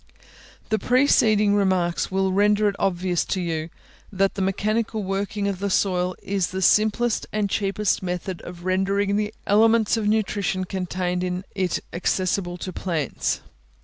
The preceding remarks will render it obvious to you, that the mechanical working of the soil is the simplest and cheapest method of rendering the elements of nutrition contained in it accessible to plants.